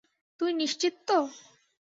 তুই নিশ্চিত তো?